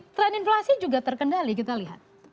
tren inflasi juga terkendali kita lihat